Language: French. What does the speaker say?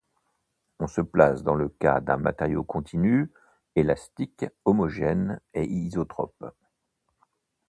On se place dans le cas d'un matériau continu, élastique, homogène et isotrope.